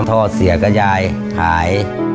ทอดเสียกับยายขาย